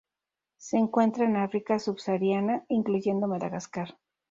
Se encuentra en África subsahariana incluyendo Madagascar.